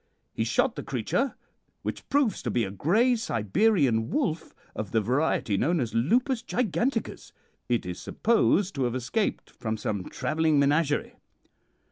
He shot the creature, which proves to be a grey Siberian wolf of the variety known as Lupus Giganticus. It is supposed to have escaped from some travelling menagerie.